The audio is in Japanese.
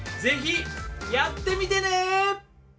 ぜひやってみてね！